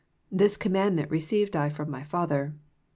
This commandment received I from My Father."